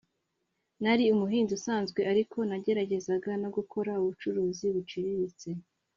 Nari umuhinzi usanzwe ariko nageragezaga no gukora ubucuruzi buciriritse